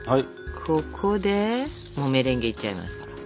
ここでもうメレンゲいっちゃいますから。